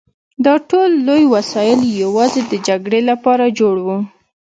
دا ټول لوی وسایل یوازې د جګړې لپاره جوړ وو